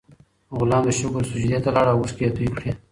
غلام د شکر سجدې ته لاړ او اوښکې یې تویې کړې.